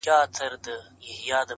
• ژوند پکي اور دی، آتشستان دی،